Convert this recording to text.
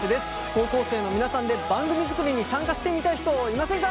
高校生の皆さんで番組作りに参加してみたい人いませんか？